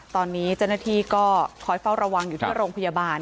ตอนนี้เจ้าหน้าที่ก็คอยเฝ้าระวังอยู่ที่โรงพยาบาล